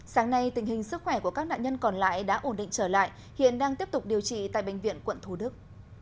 sáng nay tình hình sức khỏe của các nạn nhân còn lại đã ổn định trở lại hiện đang tiếp tục điều trị tại bệnh viện quận thủ đức